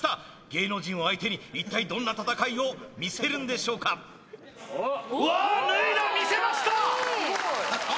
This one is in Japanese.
芸能人を相手に一体どんな戦いを見せるんでしょうかわっ脱いだ見せました！